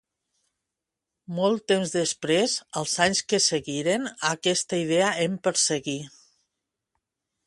Molt temps després, els anys que seguiren, aquesta idea em perseguí.